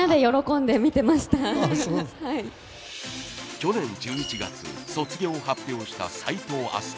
去年１１月卒業を発表した齋藤飛鳥。